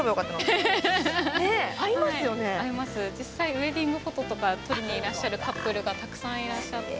実際ウエディングフォトとか撮りにいらっしゃるカップルがたくさんいらっしゃって。